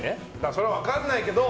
それは分からないけど。